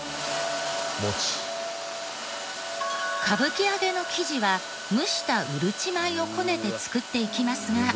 歌舞伎揚の生地は蒸したうるち米をこねて作っていきますが。